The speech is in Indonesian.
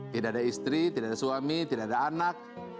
tidak ada istri tidak ada suami tidak ada anak